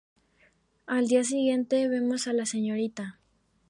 Al día siguiente vemos a la Srta.